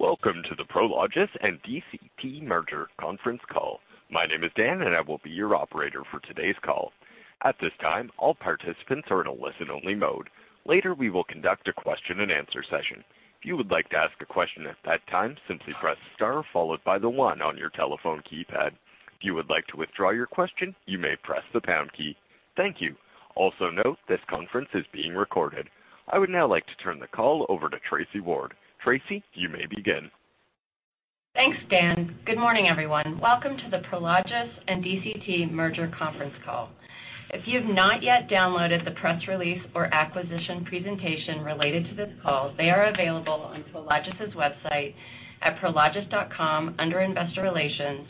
Welcome to the Prologis and DCT Merger Conference Call. My name is Dan, and I will be your operator for today's call. At this time, all participants are in a listen-only mode. Later, we will conduct a question-and-answer session. If you would like to ask a question at that time, simply press star followed by the one on your telephone keypad. If you would like to withdraw your question, you may press the pound key. Thank you. Also note this conference is being recorded. I would now like to turn the call over to Tracy Ward. Tracy, you may begin. Thanks, Dan. Good morning, everyone. Welcome to the Prologis and DCT Merger Conference Call. If you have not yet downloaded the press release or acquisition presentation related to this call, they are available on Prologis' website at prologis.com under Investor Relations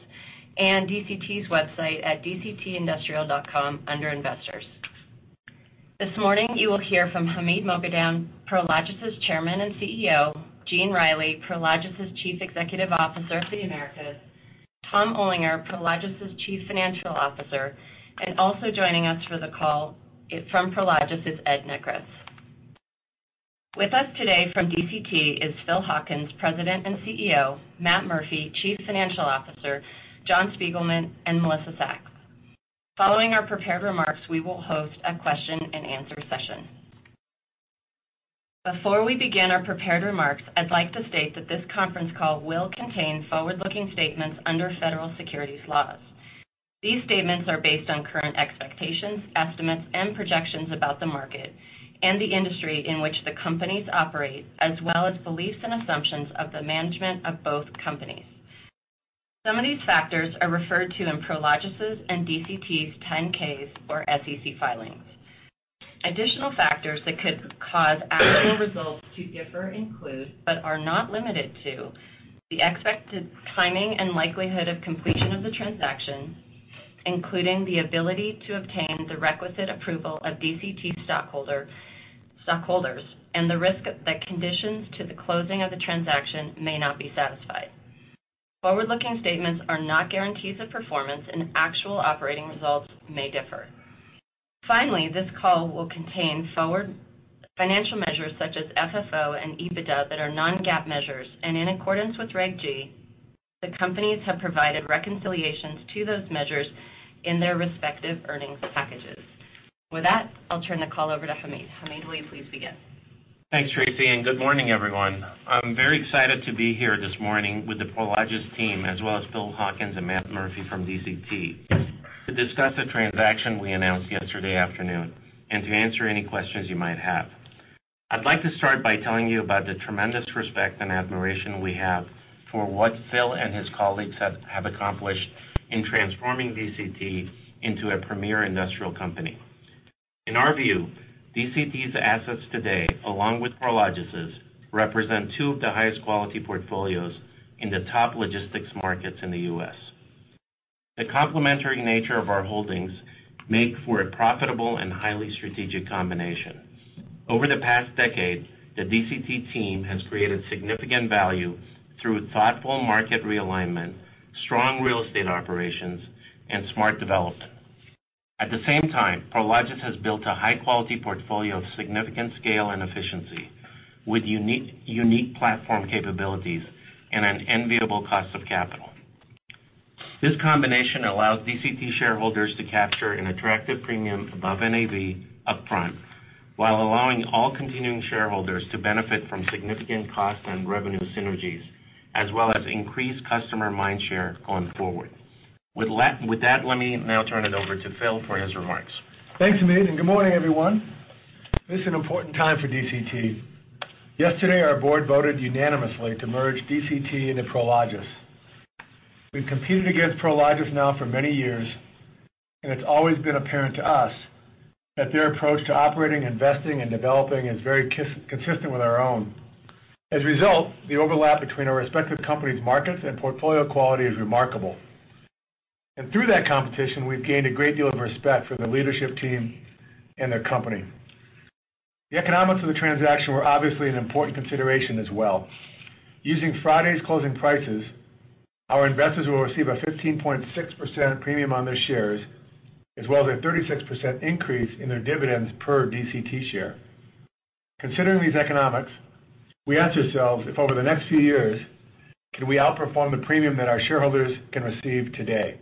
and DCT's website at dctindustrial.com under Investors. This morning, you will hear from Hamid Moghadam, Prologis' Chairman and CEO, Gene Reilly, Prologis' Chief Executive Officer for the Americas, Tom Olinger, Prologis' Chief Financial Officer, and also joining us for the call from Prologis is Ed Nekritz. With us today from DCT is Phil Hawkins, President and CEO, Matt Murphy, Chief Financial Officer, John Spiegelman, and Melissa Sachs. Following our prepared remarks, we will host a question-and-answer session. Before we begin our prepared remarks, I'd like to state that this conference call will contain forward-looking statements under federal securities laws. These statements are based on current expectations, estimates, and projections about the market and the industry in which the companies operate, as well as beliefs and assumptions of the management of both companies. Some of these factors are referred to in Prologis' and DCT's 10-Ks or SEC filings. Additional factors that could cause actual results to differ include, but are not limited to, the expected timing and likelihood of completion of the transaction, including the ability to obtain the requisite approval of DCT stockholders, and the risk that conditions to the closing of the transaction may not be satisfied. Forward-looking statements are not guarantees of performance, and actual operating results may differ. Finally, this call will contain financial measures such as FFO and EBITDA that are non-GAAP measures. In accordance with Reg G, the companies have provided reconciliations to those measures in their respective earnings packages. With that, I'll turn the call over to Hamid. Hamid, will you please begin? Thanks, Tracy, and good morning, everyone. I'm very excited to be here this morning with the Prologis team, as well as Phil Hawkins and Matt Murphy from DCT, to discuss the transaction we announced yesterday afternoon and to answer any questions you might have. I'd like to start by telling you about the tremendous respect and admiration we have for what Phil and his colleagues have accomplished in transforming DCT into a premier industrial company. In our view, DCT's assets today, along with Prologis's, represent two of the highest quality portfolios in the top logistics markets in the U.S. The complementary nature of our holdings make for a profitable and highly strategic combination. Over the past decade, the DCT team has created significant value through thoughtful market realignment, strong real estate operations, and smart development. At the same time, Prologis has built a high-quality portfolio of significant scale and efficiency with unique platform capabilities and an enviable cost of capital. This combination allows DCT shareholders to capture an attractive premium above NAV up front while allowing all continuing shareholders to benefit from significant cost and revenue synergies, as well as increased customer mindshare going forward. With that, let me now turn it over to Phil for his remarks. Thanks, Hamid, good morning, everyone. This is an important time for DCT. Yesterday, our board voted unanimously to merge DCT into Prologis. We've competed against Prologis now for many years, and it's always been apparent to us that their approach to operating, investing, and developing is very consistent with our own. As a result, the overlap between our respective companies' markets and portfolio quality is remarkable. Through that competition, we've gained a great deal of respect for the leadership team and their company. The economics of the transaction were obviously an important consideration as well. Using Friday's closing prices, our investors will receive a 15.6% premium on their shares, as well as a 36% increase in their dividends per DCT share. Considering these economics, we asked ourselves if over the next few years, could we outperform the premium that our shareholders can receive today?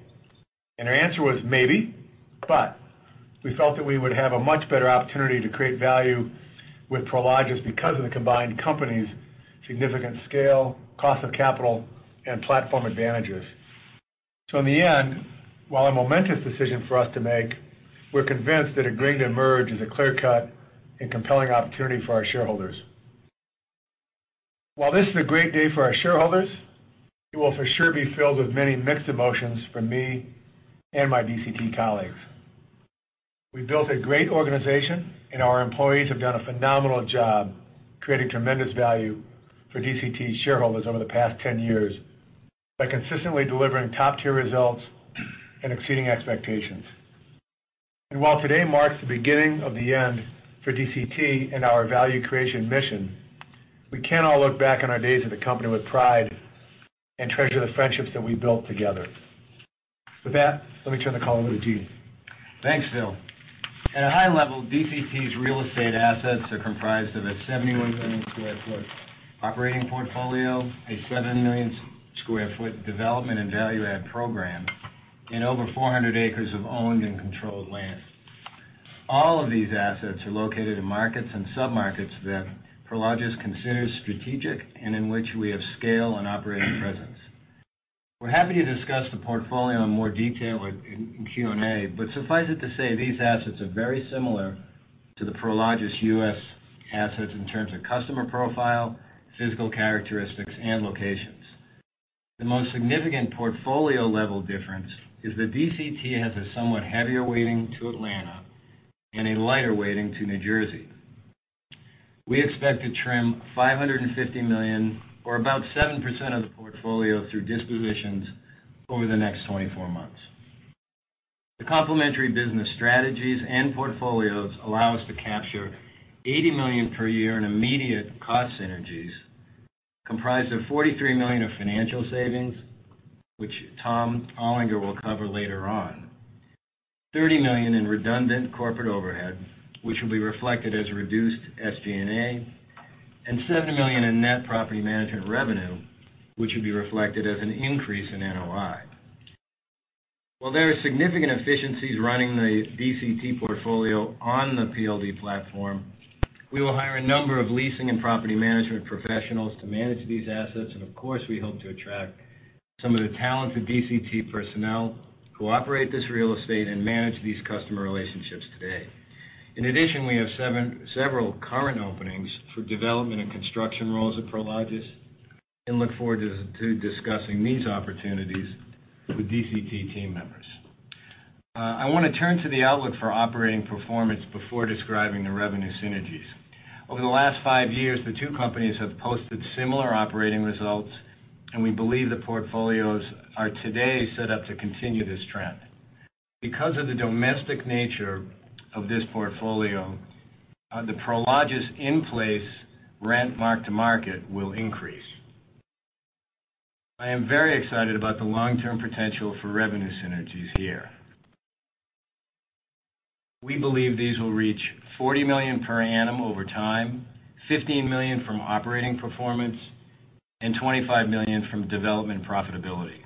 Our answer was maybe, but we felt that we would have a much better opportunity to create value with Prologis because of the combined company's significant scale, cost of capital, and platform advantages. In the end, while a momentous decision for us to make, we're convinced that agreeing to merge is a clear-cut and compelling opportunity for our shareholders. While this is a great day for our shareholders, it will for sure be filled with many mixed emotions for me and my DCT colleagues. We built a great organization, and our employees have done a phenomenal job creating tremendous value for DCT shareholders over the past 10 years by consistently delivering top-tier results and exceeding expectations. While today marks the beginning of the end for DCT and our value creation mission, we can all look back on our days at the company with pride and treasure the friendships that we built together. With that, let me turn the call over to Gene. Thanks, Phil. At a high level, DCT's real estate assets are comprised of a 71 million sq ft operating portfolio, a 7 million sq ft development and value add program, and over 400 acres of owned and controlled land. All of these assets are located in markets and sub-markets that Prologis considers strategic and in which we have scale and operating presence. We're happy to discuss the portfolio in more detail in Q&A, but suffice it to say, these assets are very similar to the Prologis U.S. assets in terms of customer profile, physical characteristics, and locations. The most significant portfolio level difference is that DCT has a somewhat heavier weighting to Atlanta and a lighter weighting to New Jersey. We expect to trim $550 million, or about 7% of the portfolio, through distributions over the next 24 months. The complementary business strategies and portfolios allow us to capture $80 million per year in immediate cost synergies, comprised of $43 million of financial savings, which Tom Olinger will cover later on. $30 million in redundant corporate overhead, which will be reflected as reduced SG&A, and $7 million in net property management revenue, which will be reflected as an increase in NOI. While there are significant efficiencies running the DCT portfolio on the PLD platform, we will hire a number of leasing and property management professionals to manage these assets, and of course, we hope to attract some of the talented DCT personnel who operate this real estate and manage these customer relationships today. In addition, we have several current openings for development and construction roles at Prologis and look forward to discussing these opportunities with DCT team members. I want to turn to the outlook for operating performance before describing the revenue synergies. Over the last five years, the two companies have posted similar operating results, and we believe the portfolios are today set up to continue this trend. Because of the domestic nature of this portfolio, the Prologis in-place rent mark-to-market will increase. I am very excited about the long-term potential for revenue synergies here. We believe these will reach $40 million per annum over time, $15 million from operating performance, and $25 million from development profitability.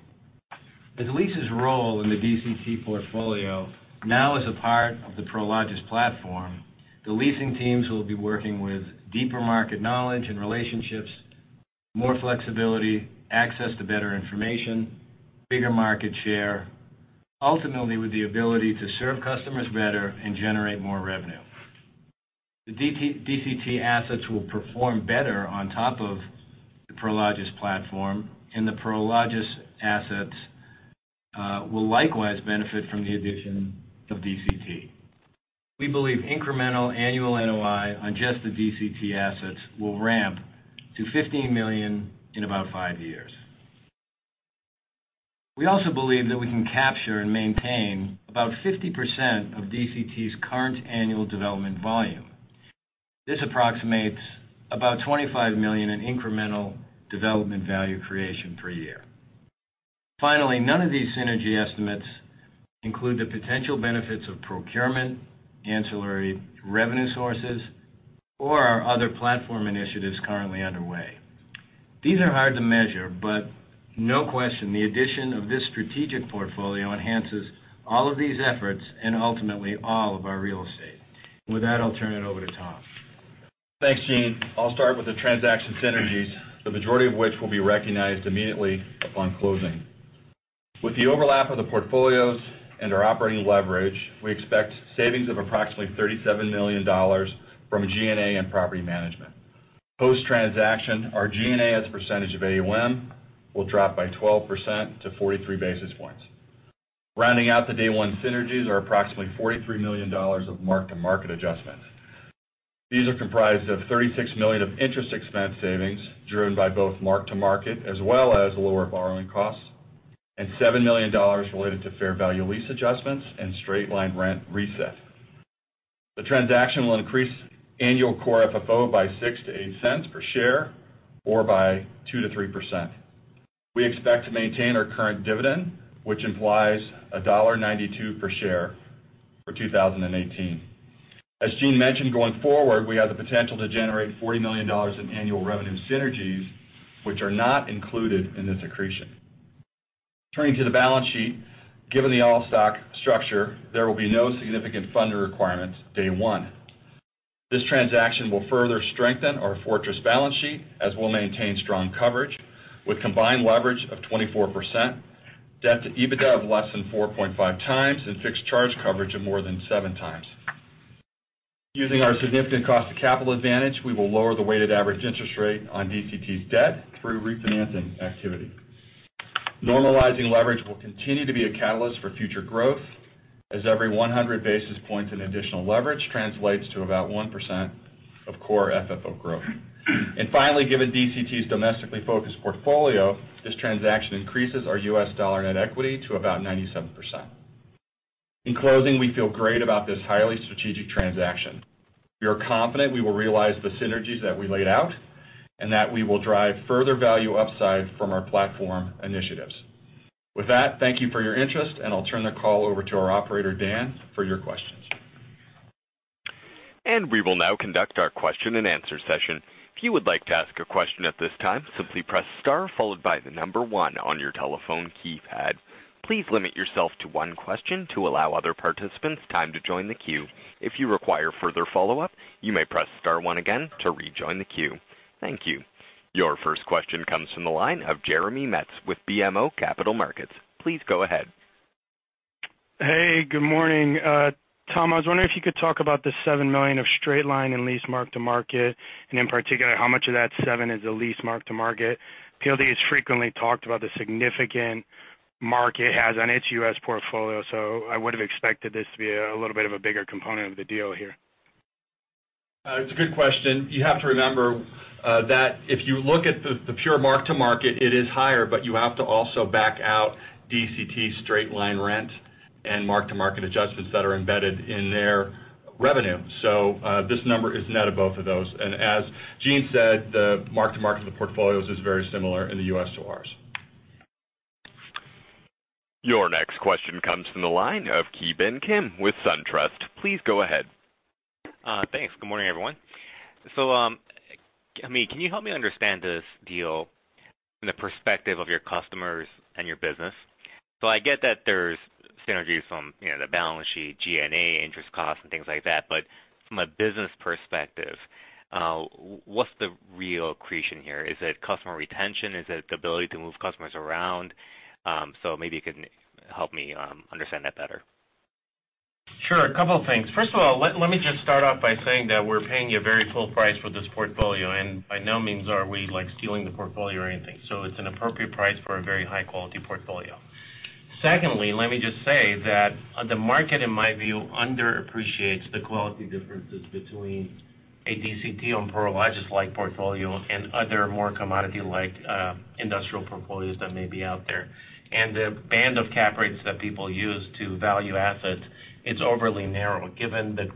As leases roll in the DCT portfolio now is a part of the Prologis platform, the leasing teams will be working with deeper market knowledge and relationships, more flexibility, access to better information, bigger market share, ultimately with the ability to serve customers better and generate more revenue. The DCT assets will perform better on top of the Prologis platform, and the Prologis assets will likewise benefit from the addition of DCT. We believe incremental annual NOI on just the DCT assets will ramp to $15 million in about five years. We also believe that we can capture and maintain about 50% of DCT's current annual development volume. This approximates about $25 million in incremental development value creation per year. Finally, none of these synergy estimates include the potential benefits of procurement, ancillary revenue sources, or our other platform initiatives currently underway. These are hard to measure, but no question, the addition of this strategic portfolio enhances all of these efforts and ultimately all of our real estate. With that, I'll turn it over to Tom. Thanks, Gene. I'll start with the transaction synergies, the majority of which will be recognized immediately upon closing. With the overlap of the portfolios and our operating leverage, we expect savings of approximately $37 million from G&A and property management. Post-transaction, our G&A as a percentage of AUM will drop by 12% to 43 basis points. Rounding out the day one synergies are approximately $43 million of mark-to-market adjustments. These are comprised of $36 million of interest expense savings, driven by both mark-to-market as well as lower borrowing costs, and $7 million related to fair value lease adjustments and straight-line rent reset. The transaction will increase annual Core FFO by $0.06 to $0.08 per share or by 2%-3%. We expect to maintain our current dividend, which implies $1.92 per share for 2018. As Gene mentioned, going forward, we have the potential to generate $40 million in annual revenue synergies, which are not included in this accretion. Turning to the balance sheet, given the all-stock structure, there will be no significant funding requirements day one. This transaction will further strengthen our fortress balance sheet as we'll maintain strong coverage with combined leverage of 24%, debt to EBITDA of less than 4.5 times, and fixed charge coverage of more than seven times. Using our significant cost of capital advantage, we will lower the weighted average interest rate on DCT's debt through refinancing activity. Normalizing leverage will continue to be a catalyst for future growth as every 100 basis points in additional leverage translates to about 1% of Core FFO growth. Finally, given DCT's domestically focused portfolio, this transaction increases our U.S. dollar net equity to about 97%. In closing, we feel great about this highly strategic transaction. We are confident we will realize the synergies that we laid out and that we will drive further value upside from our platform initiatives. With that, thank you for your interest, and I'll turn the call over to our operator, Dan, for your questions. We will now conduct our question and answer session. If you would like to ask a question at this time, simply press star, followed by the number one on your telephone keypad. Please limit yourself to one question to allow other participants time to join the queue. If you require further follow-up, you may press star one again to rejoin the queue. Thank you. Your first question comes from the line of Jeremy Metz with BMO Capital Markets. Please go ahead. Hey, good morning. Tom, I was wondering if you could talk about the $7 million of straight line and lease mark-to-market, and in particular, how much of that seven is a lease mark-to-market. PLD has frequently talked about the significant market it has on its U.S. portfolio. I would've expected this to be a little bit of a bigger component of the deal here. It's a good question. You have to remember, that if you look at the pure mark-to-market, it is higher, but you have to also back out DCT straight line rent and mark-to-market adjustments that are embedded in their revenue. This number is net of both of those. As Gene said, the mark-to-market of the portfolios is very similar in the U.S. to ours. Your next question comes from the line of Ki Bin Kim with SunTrust. Please go ahead. Thanks. Good morning, everyone. Hamid, can you help me understand this deal from the perspective of your customers and your business? I get that there's synergies from the balance sheet, G&A, interest costs, and things like that, but from a business perspective, what's the real accretion here? Is it customer retention? Is it the ability to move customers around? Maybe you can help me understand that better. Sure. A couple of things. First of all, let me just start off by saying that we're paying a very full price for this portfolio, and by no means are we stealing the portfolio or anything. It's an appropriate price for a very high-quality portfolio. Secondly, let me just say that the market, in my view, underappreciates the quality differences between a DCT and Prologis-like portfolio and other more commodity-like industrial portfolios that may be out there. The band of cap rates that people use to value assets, it's overly narrow given the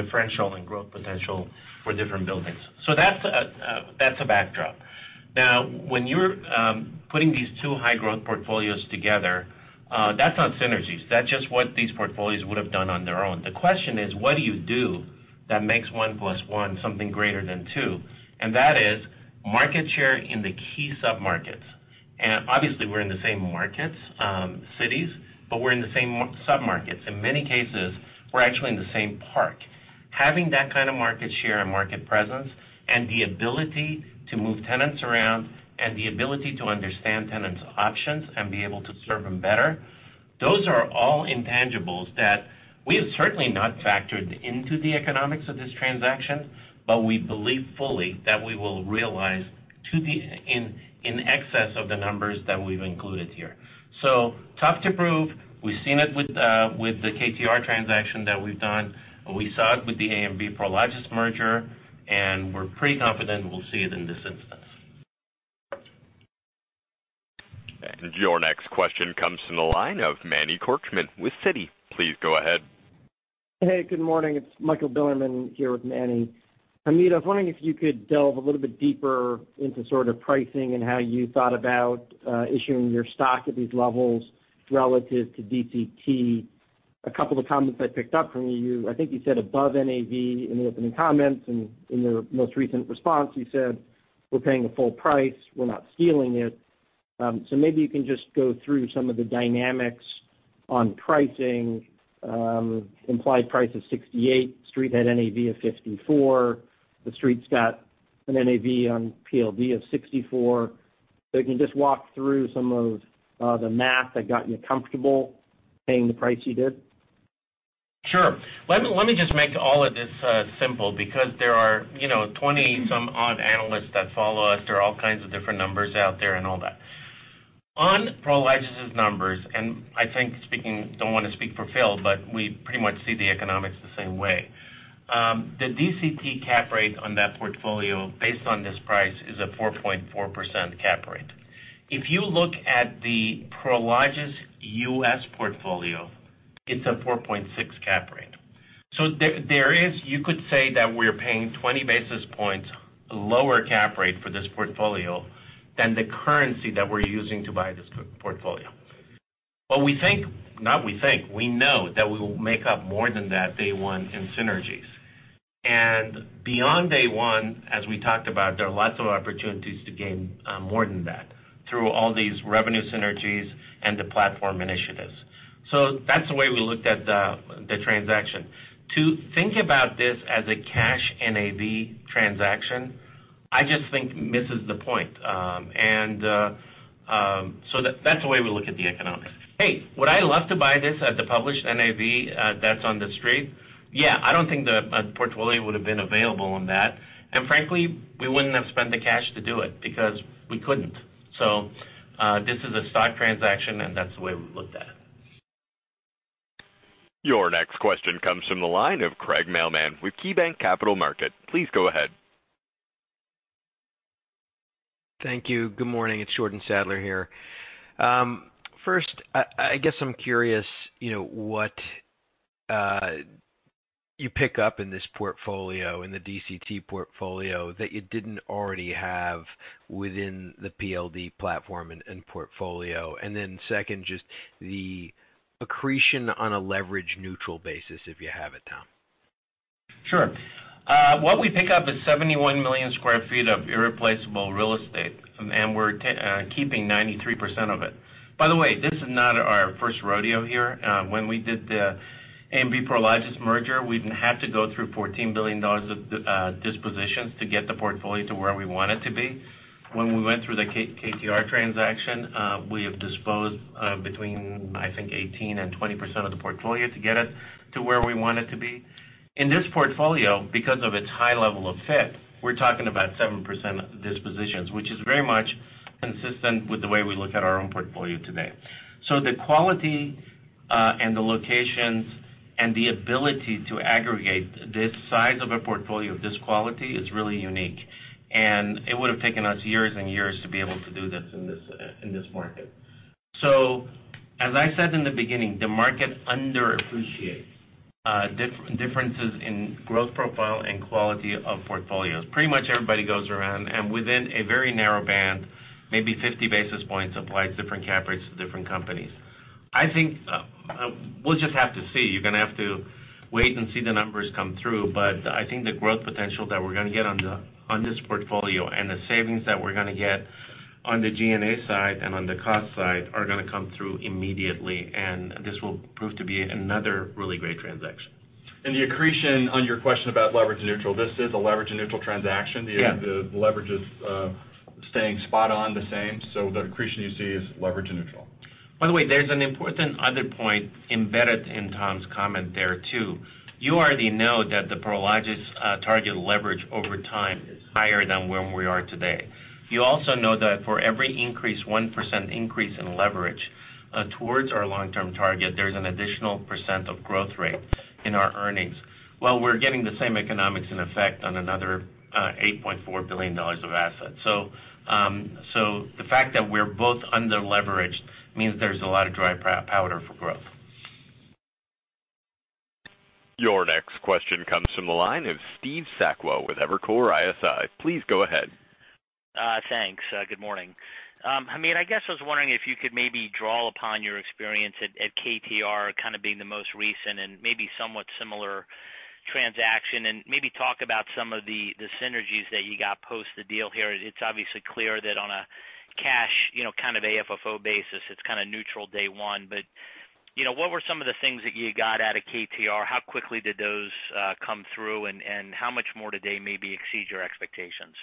differential and growth potential for different buildings. That's a backdrop. When you're putting these two high-growth portfolios together, that's not synergies. That's just what these portfolios would've done on their own. The question is, what do you do that makes one plus one something greater than two? That is market share in the key submarkets. Obviously, we're in the same markets, cities, but we're in the same submarkets. In many cases, we're actually in the same park. Having that kind of market share and market presence and the ability to move tenants around and the ability to understand tenants' options and be able to serve them better, those are all intangibles that we have certainly not factored into the economics of this transaction. We believe fully that we will realize in excess of the numbers that we've included here. Tough to prove. We've seen it with the KTR transaction that we've done, we saw it with the AMB Prologis merger, and we're pretty confident we'll see it in this instance. Your next question comes from the line of Manny Korchman with Citi. Please go ahead. Hey, good morning. It's Michael Bilerman here with Manny. Hamid, I was wondering if you could delve a little bit deeper into sort of pricing and how you thought about issuing your stock at these levels relative to DCT. A couple of the comments I picked up from you, I think you said above NAV in the opening comments, and in your most recent response, you said, "We're paying a full price. We're not stealing it." Maybe you can just go through some of the dynamics on pricing. Implied price is $68. The Street had NAV of $54. The Street's got an NAV on PLD of $64. If you can just walk through some of the math that got you comfortable paying the price you did. Sure. Let me just make all of this simple because there are 20-some odd analysts that follow us. There are all kinds of different numbers out there and all that. On Prologis' numbers, I don't want to speak for Phil, but we pretty much see the economics the same way. The DCT cap rate on that portfolio based on this price is a 4.4% cap rate. If you look at the Prologis U.S. portfolio, it's a 4.6 cap rate. There is, you could say that we're paying 20 basis points lower cap rate for this portfolio than the currency that we're using to buy this portfolio. We think, not we think, we know that we will make up more than that day one in synergies. Beyond day one, as we talked about, there are lots of opportunities to gain more than that through all these revenue synergies and the platform initiatives. That's the way we looked at the transaction. To think about this as a cash NAV transaction, I just think misses the point. That's the way we look at the economics. Hey, would I love to buy this at the published NAV that's on The Street? Yeah. I don't think the portfolio would've been available on that, and frankly, we wouldn't have spent the cash to do it because we couldn't. This is a stock transaction, and that's the way we looked at it. Your next question comes from the line of Craig Mailman with KeyBanc Capital Markets. Please go ahead. Thank you. Good morning, it's Jordan Sadler here. First, I guess I'm curious what you pick up in this portfolio, in the DCT portfolio, that you didn't already have within the PLD platform and portfolio. Second, just the accretion on a leverage-neutral basis, if you have it, Tom. Sure. What we pick up is 71 million sq ft of irreplaceable real estate, and we're keeping 93% of it. By the way, this is not our first rodeo here. When we did the AMB Prologis merger, we had to go through $14 billion of dispositions to get the portfolio to where we want it to be. When we went through the KTR transaction, we have disposed of between, I think, 18%-20% of the portfolio to get it to where we want it to be. In this portfolio, because of its high level of fit, we're talking about 7% dispositions, which is very much consistent with the way we look at our own portfolio today. The quality and the locations and the ability to aggregate this size of a portfolio of this quality is really unique, and it would have taken us years and years to be able to do this in this market. As I said in the beginning, the market underappreciates differences in growth profile and quality of portfolios. Pretty much everybody goes around, and within a very narrow band, maybe 50 basis points applies different cap rates to different companies. I think we'll just have to see. You're going to have to wait and see the numbers come through. I think the growth potential that we're going to get on this portfolio and the savings that we're going to get on the G&A side and on the cost side are going to come through immediately. This will prove to be another really great transaction. The accretion, on your question about leverage neutral, this is a leverage neutral transaction. Yeah. The leverage is staying spot on the same. The accretion you see is leverage neutral. By the way, there's an important other point embedded in Tom's comment there, too. You already know that the Prologis target leverage over time is higher than where we are today. You also know that for every 1% increase in leverage towards our long-term target, there's an additional percent of growth rate in our earnings. Well, we're getting the same economics in effect on another $8.4 billion of assets. The fact that we're both under-leveraged means there's a lot of dry powder for growth. Your next question comes from the line of Steve Sakwa with Evercore ISI. Please go ahead. Thanks. Good morning. Hamid, I guess I was wondering if you could maybe draw upon your experience at KTR, kind of being the most recent and maybe somewhat similar transaction, and maybe talk about some of the synergies that you got post the deal here. It's obviously clear that on a cash, kind of AFFO basis, it's kind of neutral day one. What were some of the things that you got out of KTR? How quickly did those come through, and how much more today maybe exceed your expectations?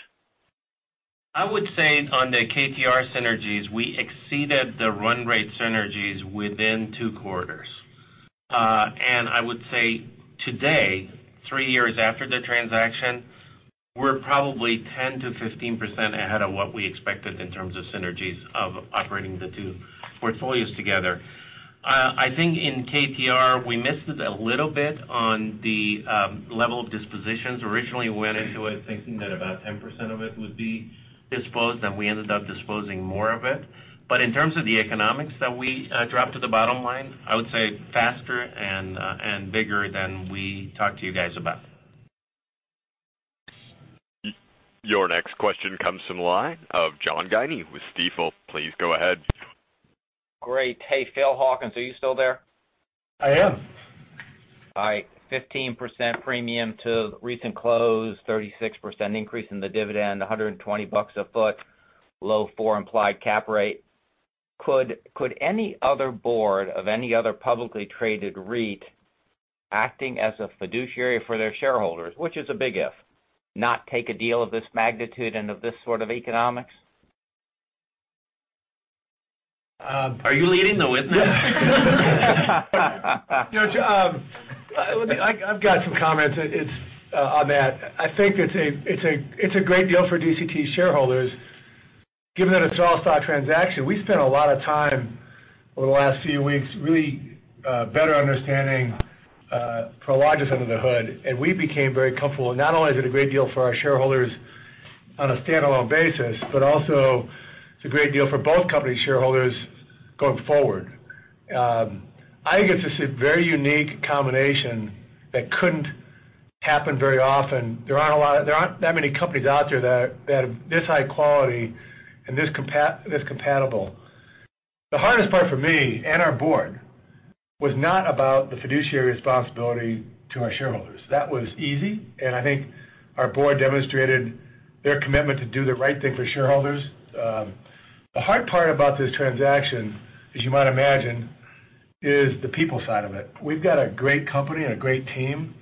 I would say on the KTR synergies, we exceeded the run rate synergies within two quarters. I would say today, three years after the transaction, we're probably 10%-15% ahead of what we expected in terms of synergies of operating the two portfolios together. I think in KTR, we missed it a little bit on the level of dispositions. Originally, we went into it thinking that about 10% of it would be disposed, and we ended up disposing more of it. In terms of the economics that we dropped to the bottom line, I would say faster and bigger than we talked to you guys about. Your next question comes from the line of John Guinee with Stifel. Please go ahead. Great. Hey, Phil Hawkins, are you still there? I am. All right. 15% premium to recent close, 36% increase in the dividend, $120 a foot, low four implied cap rate. Could any other board of any other publicly traded REIT acting as a fiduciary for their shareholders, which is a big if, not take a deal of this magnitude and of this sort of economics? Are you leading the witness? I've got some comments on that. I think it's a great deal for DCT shareholders, given that it's all stock transaction. We spent a lot of time over the last few weeks really better understanding Prologis under the hood. We became very comfortable. Not only is it a great deal for our shareholders on a standalone basis, but also it's a great deal for both company shareholders going forward. I think it's just a very unique combination that couldn't happen very often. There aren't that many companies out there that have this high quality and this compatible. The hardest part for me and our board was not about the fiduciary responsibility to our shareholders. That was easy, and I think our board demonstrated their commitment to do the right thing for shareholders. The hard part about this transaction, as you might imagine, is the people side of it. We've got a great company and a great team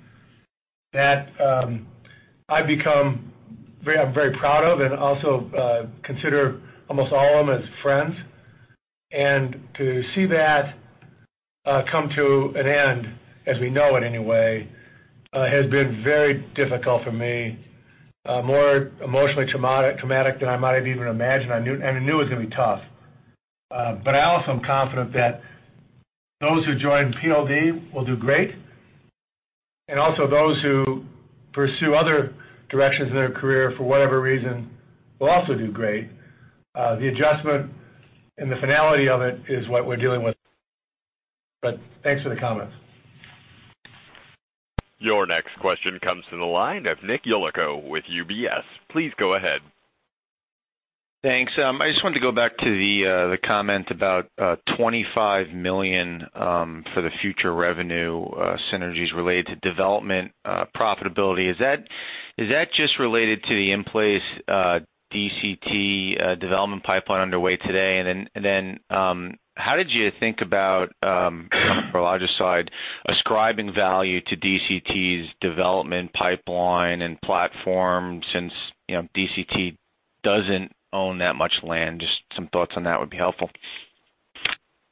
that I've become very proud of and also consider almost all of them as friends. To see that come to an end, as we know it anyway, has been very difficult for me, more emotionally traumatic than I might have even imagined. I knew it was going to be tough. I also am confident that those who join PLD will do great. Also those who pursue other directions in their career for whatever reason will also do great. The adjustment and the finality of it is what we're dealing with. Thanks for the comments. Your next question comes to the line of Nick Yulico with UBS. Please go ahead. Thanks. I just wanted to go back to the comment about $25 million for the future revenue synergies related to development profitability. Is that just related to the in-place DCT development pipeline underway today? Then, how did you think about, from Prologis' side, ascribing value to DCT's development pipeline and platform since DCT doesn't own that much land? Just some thoughts on that would be helpful.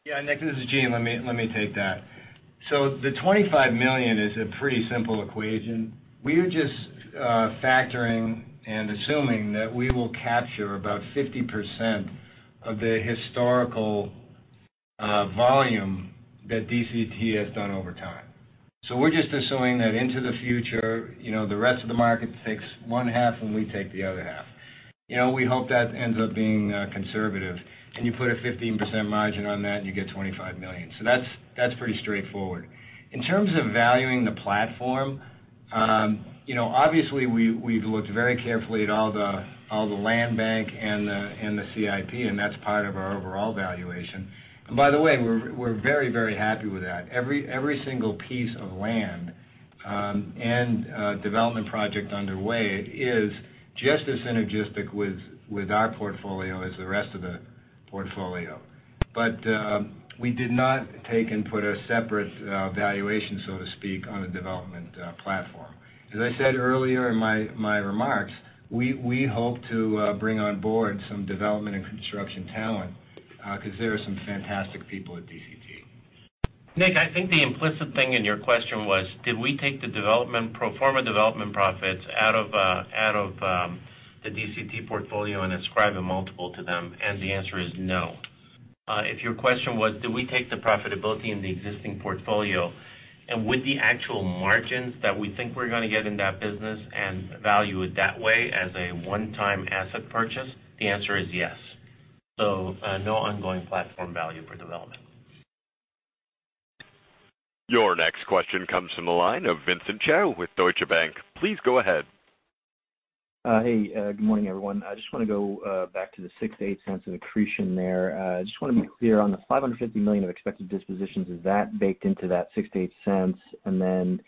Nick, this is Gene. Let me take that. The $25 million is a pretty simple equation. We are just factoring and assuming that we will capture about 50% of the historical volume that DCT has done over time. We're just assuming that into the future, the rest of the market takes one half, and we take the other half. We hope that ends up being conservative. You put a 15% margin on that, and you get $25 million. That's pretty straightforward. In terms of valuing the platform, obviously we've looked very carefully at all the land bank and the CIP, and that's part of our overall valuation. By the way, we're very happy with that. Every single piece of land and development project underway is just as synergistic with our portfolio as the rest of the portfolio. We did not take and put a separate valuation, so to speak, on a development platform. As I said earlier in my remarks, we hope to bring on board some development and construction talent, because there are some fantastic people at DCT. Nick, I think the implicit thing in your question was, did we take the pro forma development profits out of the DCT portfolio and ascribe a multiple to them? The answer is no. If your question was, do we take the profitability in the existing portfolio and with the actual margins that we think we're going to get in that business and value it that way as a one-time asset purchase? The answer is yes. No ongoing platform value for development. Your next question comes from the line of Vincent Chao with Deutsche Bank. Please go ahead. Good morning, everyone. I just want to go back to the $0.06-$0.08 accretion there. I just want to be clear on the $550 million of expected dispositions, is that baked into that $0.06-$0.08?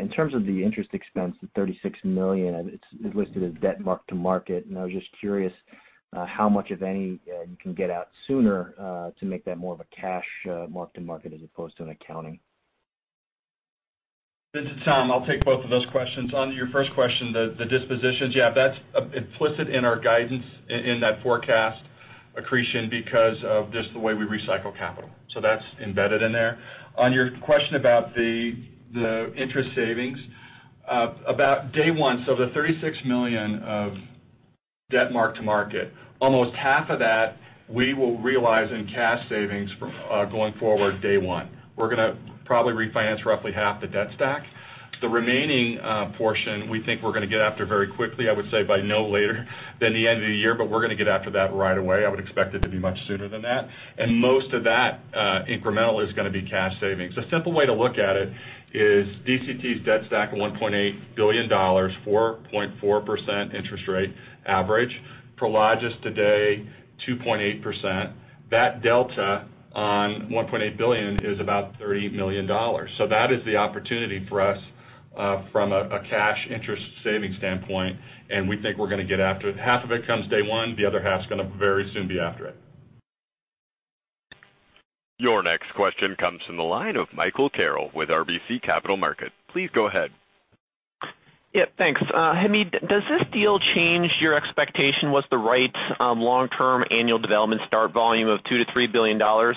In terms of the interest expense, the $36 million, it's listed as debt mark-to-market, I was just curious how much, if any, you can get out sooner to make that more of a cash mark-to-market as opposed to an accounting? This is Tom. I'll take both of those questions. On your first question, the dispositions, yeah, that's implicit in our guidance in that forecast accretion because of just the way we recycle capital. That's embedded in there. On your question about the interest savings. About day one, the $36 million of debt mark-to-market, almost half of that we will realize in cash savings going forward day one. We're going to probably refinance roughly half the debt stack. The remaining portion we think we're going to get after very quickly, I would say by no later than the end of the year, but we're going to get after that right away. I would expect it to be much sooner than that. Most of that incremental is going to be cash savings. The simple way to look at it is DCT's debt stack of $1.8 billion, 4.4% interest rate average. Prologis today, 2.8%. That delta on $1.8 billion is about $38 million. That is the opportunity for us from a cash interest savings standpoint, and we think we're going to get after it. Half of it comes day one, the other half's going to very soon be after it. Your next question comes from the line of Michael Carroll with RBC Capital Markets. Please go ahead. Yeah, thanks. Hamid, does this deal change your expectation? Was the right long-term annual development start volume of $2 billion-$3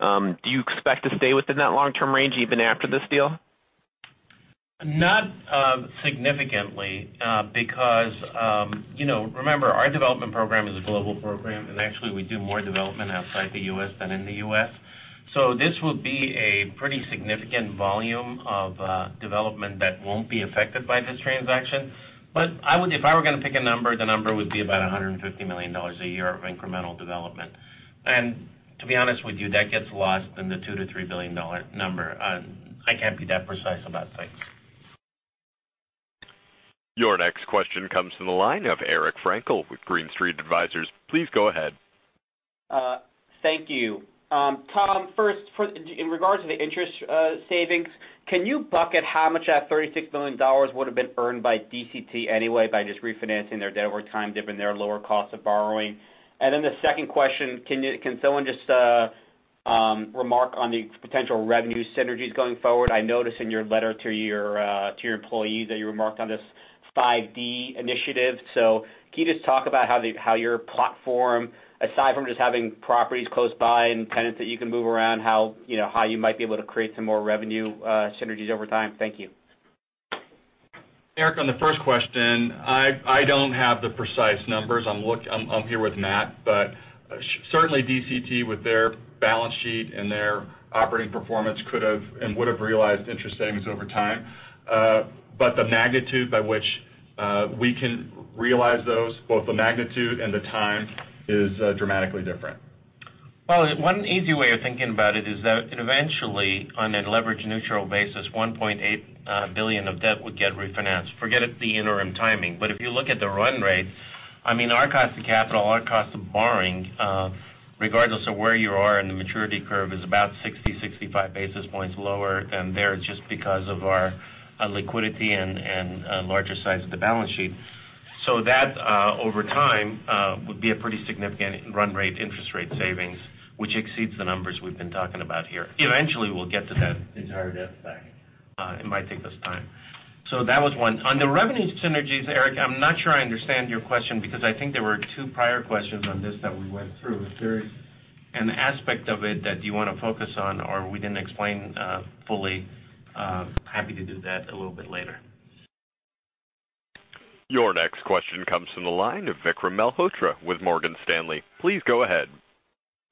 billion? Do you expect to stay within that long-term range even after this deal? Not significantly. Remember, our development program is a global program. Actually, we do more development outside the U.S. than in the U.S. This will be a pretty significant volume of development that won't be affected by this transaction. If I were going to pick a number, the number would be about $150 million a year of incremental development. To be honest with you, that gets lost in the $2 billion-$3 billion number. I can't be that precise about things. Your next question comes to the line of Eric Frankel with Green Street Advisors. Please go ahead. Thank you. Tom, first, in regards to the interest savings, can you bucket how much of that $36 million would have been earned by DCT anyway by just refinancing their debt over time, given their lower cost of borrowing? The second question, can someone just remark on the potential revenue synergies going forward? I notice in your letter to your employees that you remarked on this 5D initiative. Can you just talk about how your platform, aside from just having properties close by and tenants that you can move around, how you might be able to create some more revenue synergies over time? Thank you. Eric, on the first question, I don't have the precise numbers. I'm here with Matt, certainly DCT with their balance sheet and their operating performance could have and would have realized interest savings over time. The magnitude by which we can realize those, both the magnitude and the time, is dramatically different. Well, one easy way of thinking about it is that eventually, on a leverage neutral basis, $1.8 billion of debt would get refinanced. Forget the interim timing. If you look at the run rate, our cost of capital, our cost of borrowing, regardless of where you are in the maturity curve, is about 60, 65 basis points lower than theirs, just because of our liquidity and larger size of the balance sheet. That, over time, would be a pretty significant run rate interest rate savings, which exceeds the numbers we've been talking about here. Eventually, we'll get to that entire debt stack. It might take us time. That was one. On the revenue synergies, Eric, I'm not sure I understand your question because I think there were two prior questions on this that we went through. Is there an aspect of it that you want to focus on or we didn't explain fully? Happy to do that a little bit later. Your next question comes from the line of Vikram Malhotra with Morgan Stanley. Please go ahead.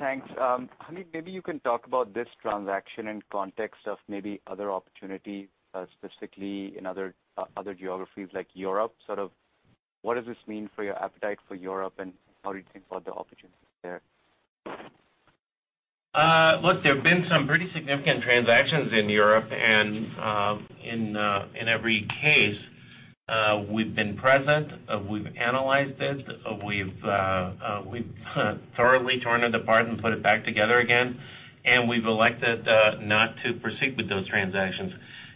Thanks. Hamid, maybe you can talk about this transaction in context of maybe other opportunity, specifically in other geographies like Europe. What does this mean for your appetite for Europe, and how do you think about the opportunities there? Look, there have been some pretty significant transactions in Europe. In every case, we've been present, we've analyzed it, we've thoroughly torn it apart and put it back together again. We've elected not to proceed with those transactions.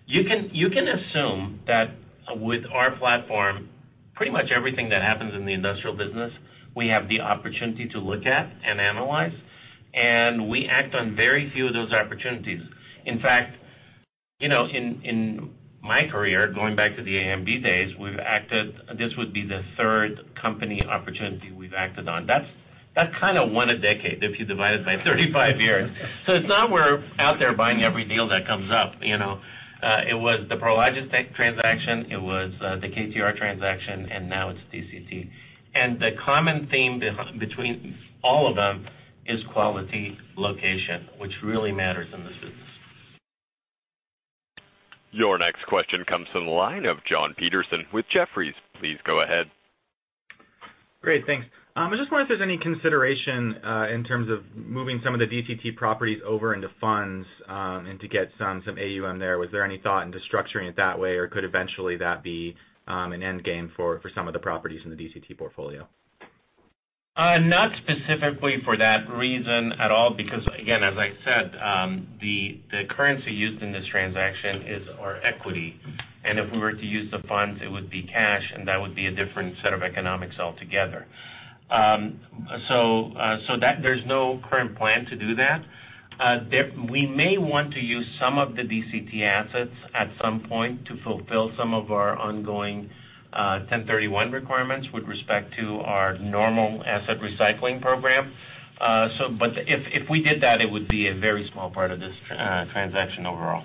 You can assume that with our platform, pretty much everything that happens in the industrial business, we have the opportunity to look at and analyze, and we act on very few of those opportunities. In fact, in my career, going back to the AMB days, this would be the third company opportunity we've acted on. That's kind of one a decade if you divide it by 35 years. It's not we're out there buying every deal that comes up. It was the Prologis tech transaction, it was the KTR transaction, and now it's DCT. The common theme between all of them is quality location, which really matters in this business. Your next question comes from the line of Jon Petersen with Jefferies. Please go ahead. Great. Thanks. I just wonder if there's any consideration in terms of moving some of the DCT properties over into funds, and to get some AUM there. Was there any thought into structuring it that way, or could eventually that be an end game for some of the properties in the DCT portfolio? Not specifically for that reason at all because, again, as I said, the currency used in this transaction is our equity. If we were to use the funds, it would be cash, and that would be a different set of economics altogether. There's no current plan to do that. We may want to use some of the DCT assets at some point to fulfill some of our ongoing 1031 requirements with respect to our normal asset recycling program. If we did that, it would be a very small part of this transaction overall.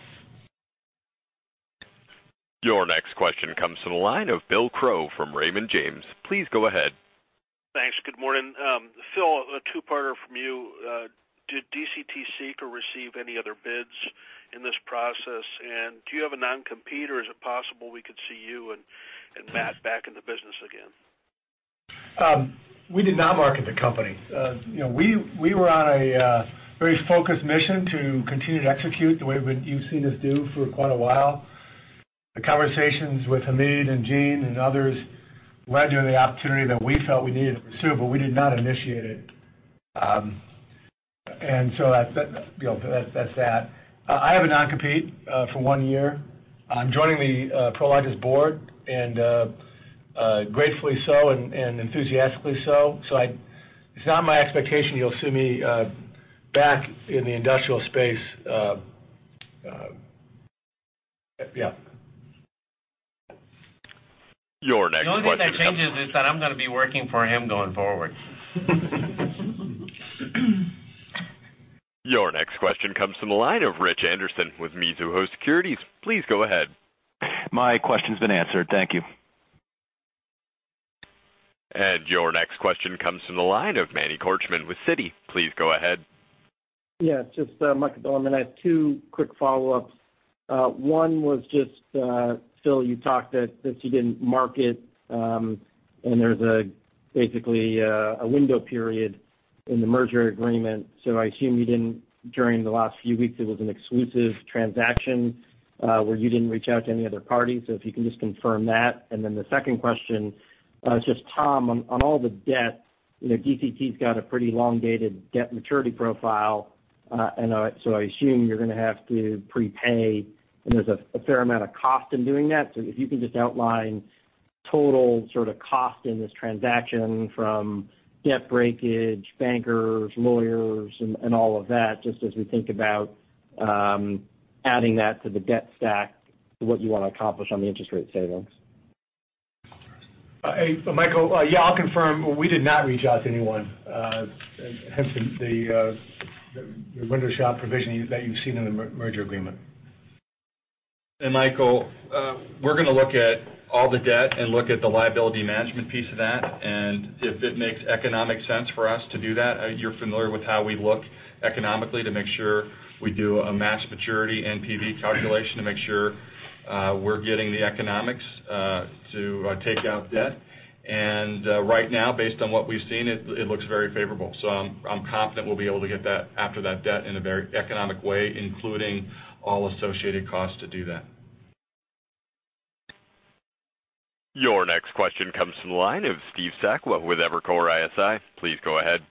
Your next question comes to the line of Bill Crow from Raymond James. Please go ahead. Thanks. Good morning. Phil, a two-parter from you. Did DCT seek or receive any other bids in this process? Do you have a non-compete, or is it possible we could see you and Matt back in the business again? We did not market the company. We were on a very focused mission to continue to execute the way you've seen us do for quite a while. The conversations with Hamid and Gene and others led to the opportunity that we felt we needed to pursue, but we did not initiate it. That's that. I have a non-compete for one year. I'm joining the Prologis board, and gratefully so and enthusiastically so. It's not my expectation you'll see me back in the industrial space. Yeah. Your next question- The only thing that changes is that I'm going to be working for him going forward. Your next question comes from the line of Richard Anderson with Mizuho Securities. Please go ahead. My question's been answered. Thank you. Your next question comes from the line of Manny Korchman with Citi. Please go ahead. just Manny Korchman. I have two quick follow-ups. One was just, Phil, you talked that you didn't market, and there's basically a window period in the merger agreement. I assume during the last few weeks, it was an exclusive transaction where you didn't reach out to any other party. If you can just confirm that. The second question, just Tom, on all the debt, DCT's got a pretty long-dated debt maturity profile. I assume you're going to have to prepay, and there's a fair amount of cost in doing that. If you can just outline total cost in this transaction from debt breakage, bankers, lawyers, and all of that, just as we think about adding that to the debt stack to what you want to accomplish on the interest rate savings. Michael. I'll confirm. We did not reach out to anyone. Hence, the window shop provision that you've seen in the merger agreement. Michael, we're going to look at all the debt and look at the liability management piece of that, and if it makes economic sense for us to do that. You're familiar with how we look economically to make sure we do a match maturity NPV calculation to make sure we're getting the economics to take out debt. Right now, based on what we've seen, it looks very favorable. I'm confident we'll be able to get that after that debt in a very economic way, including all associated costs to do that. Your next question comes from the line of Steve Sakwa with Evercore ISI. Please go ahead.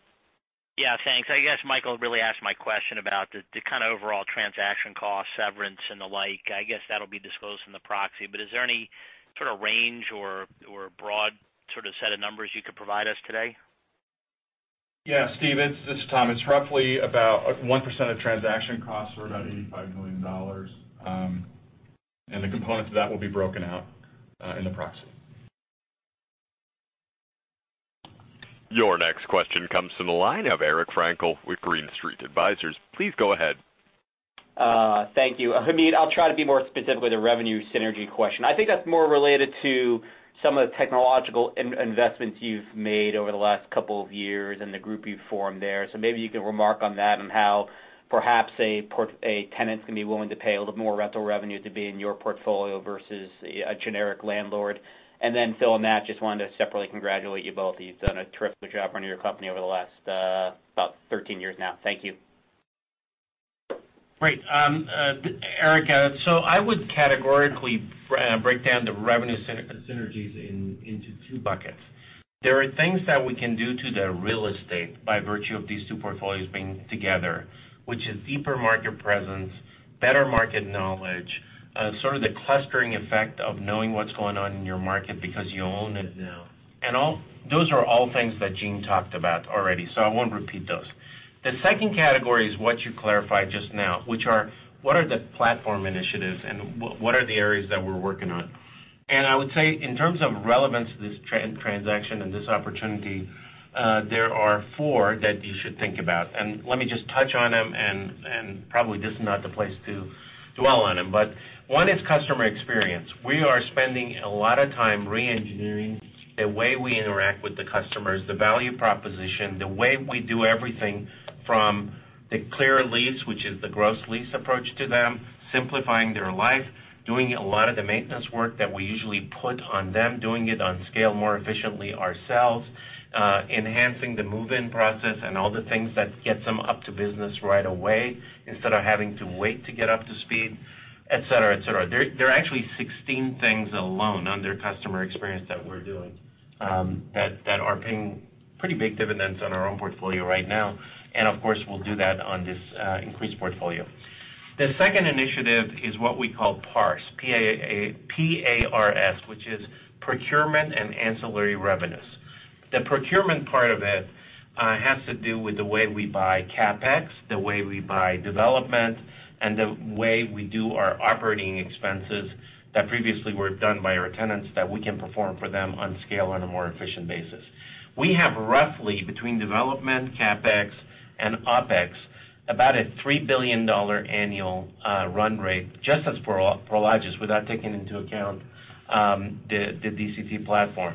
Yeah, thanks. I guess Michael really asked my question about the kind of overall transaction cost, severance, and the like. I guess that'll be disclosed in the proxy. Is there any sort of range or broad sort of set of numbers you could provide us today? Yeah, Steve, it's Tom. It's roughly about 1% of transaction costs or about $85 million. The components of that will be broken out in the proxy. Your next question comes to the line of Eric Frankel with Green Street Advisors. Please go ahead. Thank you. Hamid, I'll try to be more specific with the revenue synergy question. I think that's more related to some of the technological investments you've made over the last couple of years and the group you formed there. Maybe you can remark on that and how perhaps a tenant's going to be willing to pay a little more rental revenue to be in your portfolio versus a generic landlord. Then Phil and Matt, just wanted to separately congratulate you both. You've done a terrific job running your company over the last about 13 years now. Thank you. Great. Eric, I would categorically break down the revenue synergies into two buckets. There are things that we can do to the real estate by virtue of these two portfolios being together, which is deeper market presence, better market knowledge, sort of the clustering effect of knowing what's going on in your market because you own it now. Those are all things that Gene talked about already, I won't repeat those. The second category is what you clarified just now, which are, what are the platform initiatives, and what are the areas that we're working on? I would say, in terms of relevance to this transaction and this opportunity, there are four that you should think about. Let me just touch on them and probably this is not the place to dwell on them. One is customer experience. We are spending a lot of time re-engineering the way we interact with the customers, the value proposition, the way we do everything from the Clear Lease, which is the gross lease approach to them, simplifying their life, doing a lot of the maintenance work that we usually put on them, doing it on scale more efficiently ourselves, enhancing the move-in process and all the things that get them up to business right away instead of having to wait to get up to speed, et cetera. There are actually 16 things alone under customer experience that we're doing, that are paying pretty big dividends on our own portfolio right now. Of course, we'll do that on this increased portfolio. The second initiative is what we call PARS, P-A-R-S, which is procurement and ancillary revenues. The procurement part of it has to do with the way we buy CapEx, the way we buy development, and the way we do our OpEx that previously were done by our tenants that we can perform for them on scale on a more efficient basis. We have roughly between development, CapEx and OpEx, about a $3 billion annual run rate just as Prologis, without taking into account the DCT platform.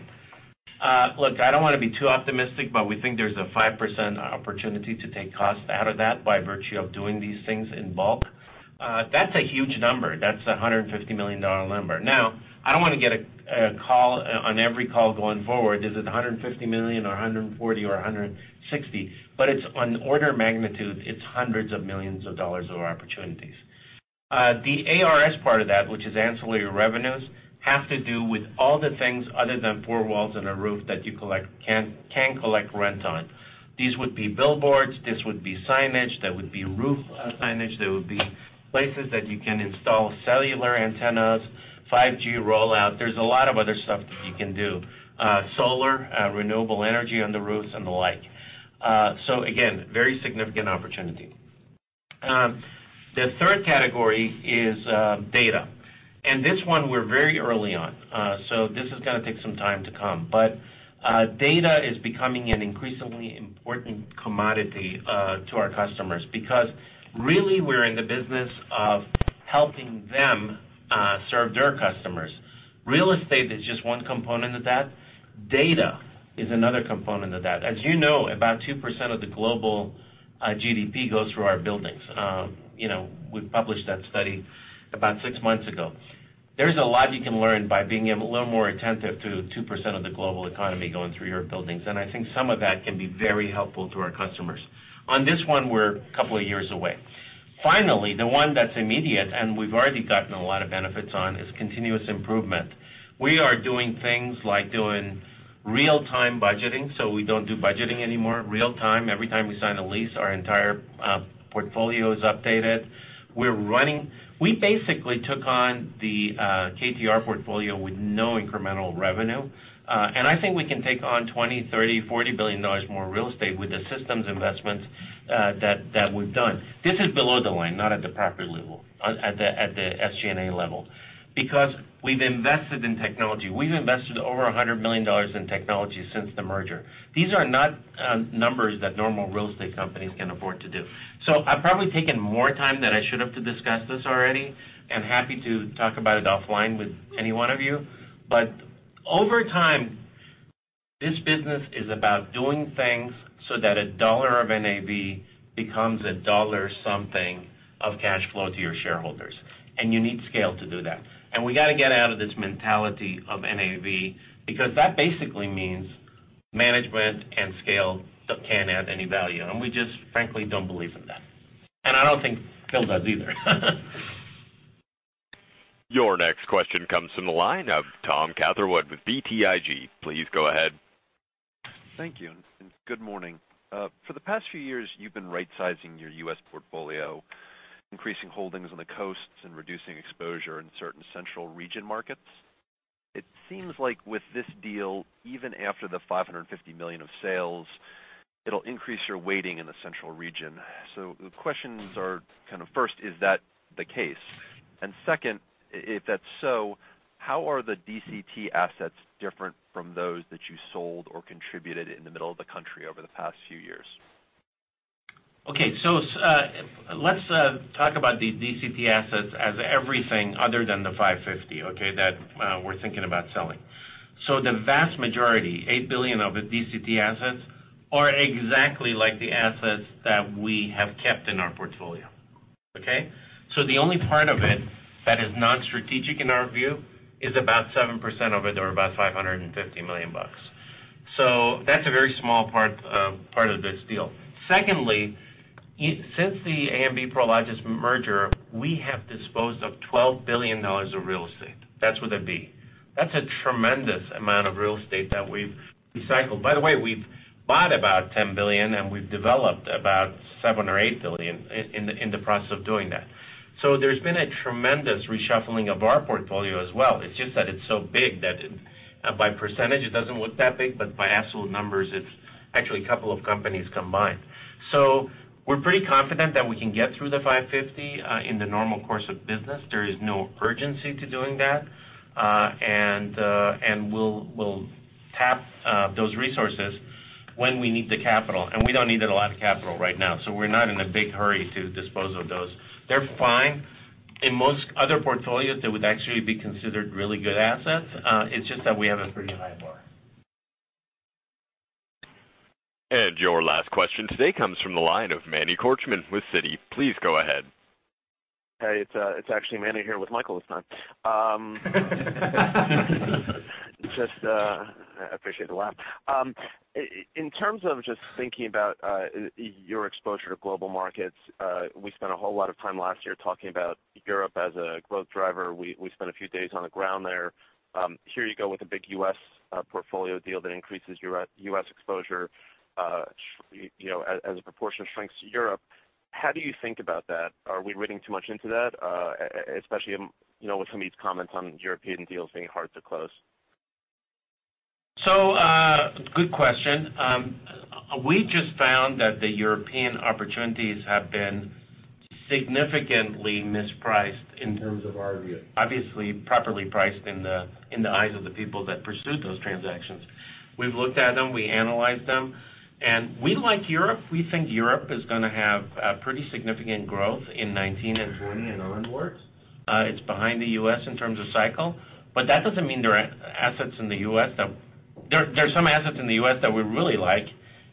Look, I don't want to be too optimistic, but we think there's a 5% opportunity to take costs out of that by virtue of doing these things in bulk. That's a huge number. That's a $150 million number. Now, I don't want to get a call on every call going forward. Is it $150 million or $140 or $160? It's on order of magnitude, it's hundreds of millions of dollars of opportunities. The ARS part of that, which is ancillary revenues, have to do with all the things other than four walls and a roof that you can collect rent on. These would be billboards, this would be signage, that would be roof signage, that would be places that you can install cellular antennas, 5G rollout. There's a lot of other stuff that you can do. Solar, renewable energy on the roofs and the like. Again, very significant opportunity. The third category is data. This one we're very early on. This is going to take some time to come. Data is becoming an increasingly important commodity to our customers because really, we're in the business of helping them serve their customers. Real estate is just one component of that. Data is another component of that. As you know, about 2% of the global GDP goes through our buildings. We published that study about six months ago. There's a lot you can learn by being a little more attentive to 2% of the global economy going through your buildings. I think some of that can be very helpful to our customers. On this one, we're a couple of years away. Finally, the one that's immediate, and we've already gotten a lot of benefits on, is continuous improvement. We are doing things like doing real-time budgeting, so we don't do budgeting anymore. Real-time, every time we sign a lease, our entire portfolio is updated. We basically took on the KTR portfolio with no incremental revenue. I think we can take on $20, $30, $40 billion more real estate with the systems investments that we've done. This is below the line, not at the property level, at the SG&A level. Because we've invested in technology. We've invested over $100 million in technology since the merger. These are not numbers that normal real estate companies can afford to do. I've probably taken more time than I should have to discuss this already. I'm happy to talk about it offline with any one of you. Over time, this business is about doing things so that a dollar of NAV becomes a dollar something of cash flow to your shareholders, and you need scale to do that. We got to get out of this mentality of NAV, because that basically means management and scale can't add any value. We just frankly don't believe in that. I don't think Phil does either. Your next question comes from the line of Thomas Catherwood with BTIG. Please go ahead. Thank you, and good morning. For the past few years, you've been right-sizing your U.S. portfolio, increasing holdings on the coasts and reducing exposure in certain central region markets. It seems like with this deal, even after the $550 million of sales, it'll increase your weighting in the central region. The questions are kind of, first, is that the case? Second, if that's so, how are the DCT assets different from those that you sold or contributed in the middle of the country over the past few years? Okay. Let's talk about the DCT assets as everything other than the $550, okay, that we're thinking about selling. The vast majority, $8 billion of the DCT assets, are exactly like the assets that we have kept in our portfolio. Okay? The only part of it that is non-strategic in our view is about 7% of it, or about $550 million. That's a very small part of this deal. Secondly, since the AMB Prologis merger, we have disposed of $12 billion of real estate. That's with a B. That's a tremendous amount of real estate that we've recycled. By the way, we've bought about $10 billion, and we've developed about $7 billion or $8 billion in the process of doing that. There's been a tremendous reshuffling of our portfolio as well. It's just that it's so big that by percentage, it doesn't look that big, but by absolute numbers, it's actually a couple of companies combined. We're pretty confident that we can get through the $550 in the normal course of business. There is no urgency to doing that, and we'll tap those resources when we need the capital, and we don't need a lot of capital right now, so we're not in a big hurry to dispose of those. They're fine. In most other portfolios, they would actually be considered really good assets. It's just that we have a pretty high bar. Your last question today comes from the line of Manny Korchman with Citi. Please go ahead. Hey, it's actually Manny here with Michael this time. I appreciate the laugh. In terms of thinking about your exposure to global markets, we spent a whole lot of time last year talking about Europe as a growth driver. We spent a few days on the ground there. Here you go with a big U.S. portfolio deal that increases your U.S. exposure as a proportion shrinks to Europe. How do you think about that? Are we reading too much into that, especially with some of these comments on European deals being hard to close? Good question. We just found that the European opportunities have been significantly mispriced in terms of our view. Obviously, properly priced in the eyes of the people that pursued those transactions. We've looked at them, we analyzed them, and we like Europe. We think Europe is going to have a pretty significant growth in 2019 and 2020 and onwards. It's behind the U.S. in terms of cycle. That doesn't mean there are assets in the U.S. that. There are some assets in the U.S. that we really like,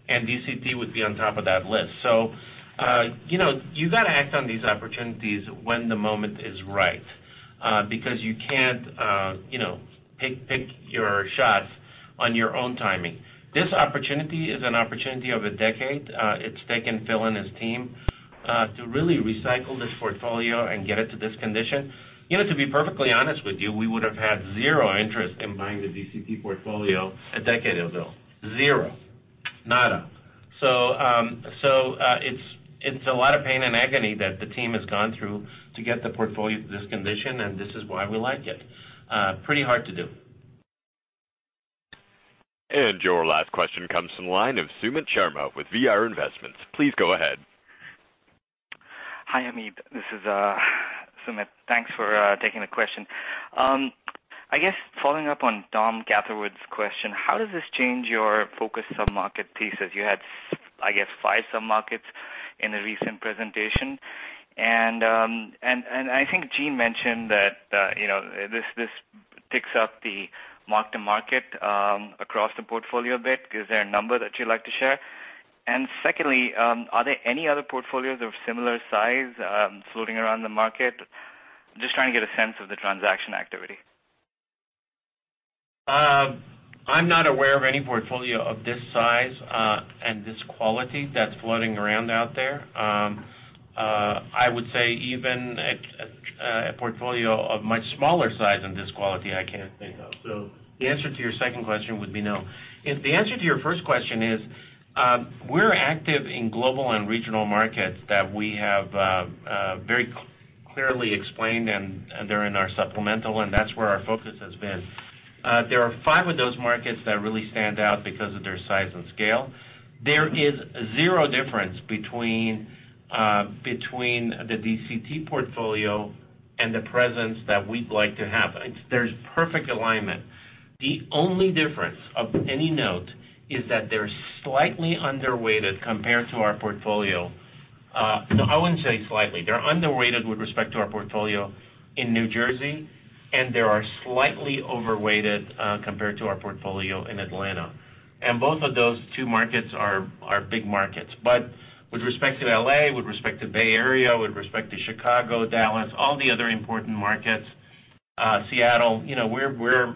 and DCT would be on top of that list. You got to act on these opportunities when the moment is right, because you can't pick your shots on your own timing. This opportunity is an opportunity of a decade. It's taken Phil and his team to really recycle this portfolio and get it to this condition. To be perfectly honest with you, we would've had zero interest in buying the DCT portfolio a decade ago. Zero. Nada. It's a lot of pain and agony that the team has gone through to get the portfolio to this condition, and this is why we like it. Pretty hard to do. Your last question comes from the line of Sumit Sharma with VR Investments. Please go ahead. Hi, Hamid. This is Sumit. Thanks for taking the question. I guess following up on Thomas Catherwood's question, how does this change your focus sub-market thesis? You had, I guess, five sub-markets in a recent presentation. I think Gene mentioned that this ticks up the mark-to-market across the portfolio a bit. Is there a number that you'd like to share? Secondly, are there any other portfolios of similar size floating around the market? Just trying to get a sense of the transaction activity. I'm not aware of any portfolio of this size and this quality that's floating around out there. I would say even a portfolio of much smaller size and this quality I can't think of. The answer to your second question would be no. The answer to your first question is, we're active in global and regional markets that we have very clearly explained, and they're in our supplemental, and that's where our focus has been. There are five of those markets that really stand out because of their size and scale. There is zero difference between the DCT portfolio and the presence that we'd like to have. There's perfect alignment. The only difference of any note is that they're slightly underweighted compared to our portfolio. No, I wouldn't say slightly. They're underweighted with respect to our portfolio in New Jersey, and they are slightly overweighted compared to our portfolio in Atlanta. Both of those two markets are big markets. With respect to L.A., with respect to Bay Area, with respect to Chicago, Dallas, all the other important markets, Seattle, we're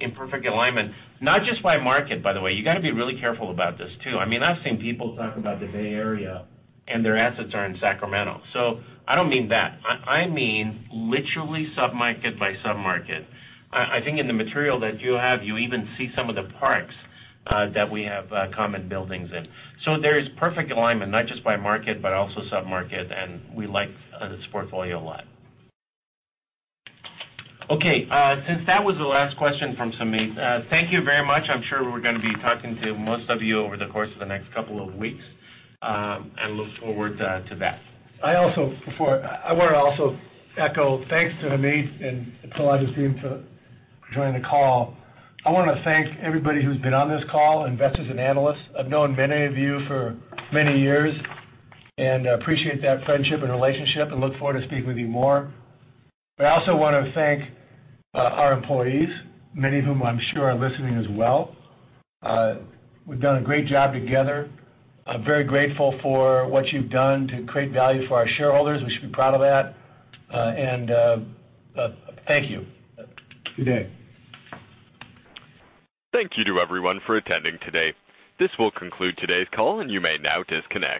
in perfect alignment, not just by market, by the way. You got to be really careful about this too. I mean, I've seen people talk about the Bay Area, and their assets are in Sacramento. I don't mean that. I mean literally sub-market by sub-market. I think in the material that you have, you even see some of the parks that we have common buildings in. There is perfect alignment, not just by market, but also sub-market, and we like this portfolio a lot. Okay. Since that was the last question from Sumit, thank you very much. I'm sure we're gonna be talking to most of you over the course of the next couple of weeks, look forward to that. I also, I want to also echo thanks to Hamid and Prologis team for joining the call. I want to thank everybody who's been on this call, investors and analysts. I've known many of you for many years and appreciate that friendship and relationship and look forward to speaking with you more. I also want to thank our employees, many of whom I'm sure are listening as well. We've done a great job together. I'm very grateful for what you've done to create value for our shareholders. We should be proud of that. Thank you. Good day. Thank you to everyone for attending today. This will conclude today's call, and you may now disconnect.